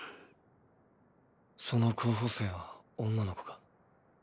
その候補生は女の子か？